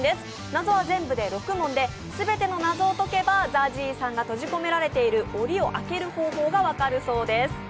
謎は全部で６問で全ての謎を解けばＺＡＺＹさんが閉じ込められているおりを開ける方法が分かるそうです。